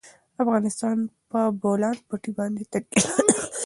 افغانستان په د بولان پټي باندې تکیه لري.